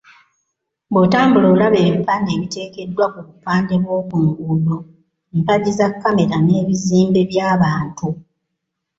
Bw'otambula, olaba ebipande ebiteekeddwa ku bupande bw'oku nguudo, mpagi za kkamera n'ebizimbe by'abantu.